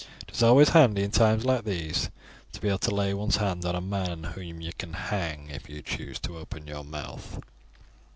It is always handy in times like these to be able to lay one's hand on a man whom you can hang if you choose to open your mouth."